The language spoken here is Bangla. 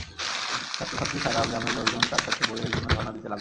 ছাত্রছাত্রী ছাড়াও গ্রামের লোকজন তাঁর কাছে বইয়ের জন্য ধরনা দিতে লাগল।